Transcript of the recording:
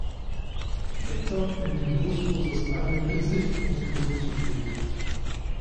Lecter nimmt die bewusstlose Starling mit sich, um sie gesund zu pflegen.